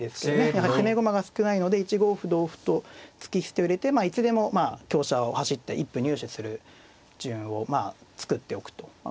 やはり攻め駒が少ないので１五歩同歩と突き捨てを入れていつでも香車を走って一歩入手する順をまあ作っておくと。